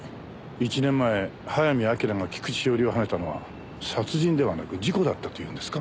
１年前早見明が菊地詩織をはねたのは殺人ではなく事故だったと言うんですか？